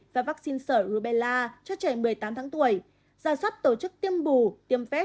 và vaccine sời rubella cho trẻ một mươi tám tháng tuổi giả soát tổ chức tiêm bù tiêm phép